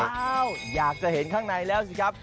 อยากจะเห็นข้างในแล้วสิครับ